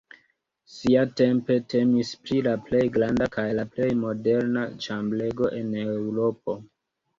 Siatempe temis pri la plej granda kaj la plej moderna ĉambrego en Eŭropo.